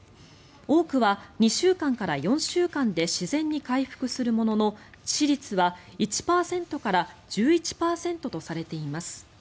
多くは２週間から４週間で自然に回復するものの致死率は１％から１１％とされています。